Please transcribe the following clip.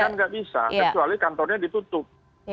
kerja kan tidak bisa kecuali kantornya ditutup